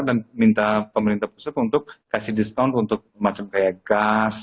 minta pemerintah pusat untuk kasih diskon untuk macam kayak gas